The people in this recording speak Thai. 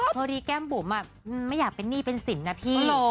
พอดีแก้มบุ๋มไม่อยากเป็นหนี้เป็นสินนะพี่